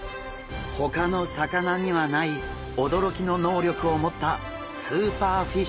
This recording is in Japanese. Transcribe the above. ほかの魚にはない驚きの能力を持ったスーパーフィッシュなんです。